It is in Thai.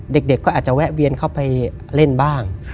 เด็กก็อาจจะแวะเวียนเข้าไปเล่นบ้าง